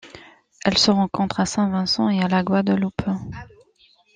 Elle se rencontre à Saint-Vincent et à la Guadeloupe.